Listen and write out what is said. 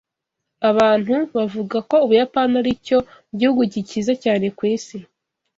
Abantu bavuga ko Ubuyapani aricyo gihugu gikize cyane ku isi.